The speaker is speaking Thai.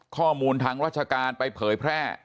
ข้อมูลทางราชการไปเผยแพร่